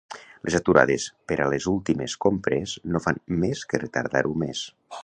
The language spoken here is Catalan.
Les aturades per a les últimes compres no fan més que retardar-ho més.